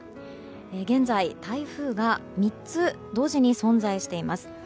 現在、台風が３つ同時に存在しています。